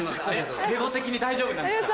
レゴ的に大丈夫なんですか？